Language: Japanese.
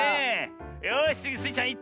よしつぎスイちゃんいっちゃおう！